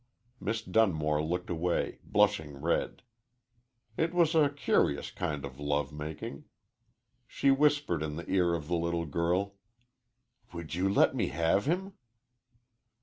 Miss Dunmore looked away, blushing red. It was a curious kind of love making. She whispered in the ear of the little girl, "Would you let me have him?"